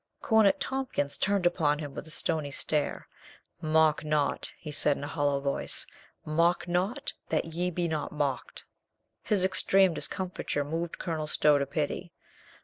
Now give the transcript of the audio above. Cornet Tompkins turned upon him with a stony stare. "Mock not," he said in a hollow voice, "mock not, that ye be not mocked." His extreme discomfiture moved Colonel Stow to pity.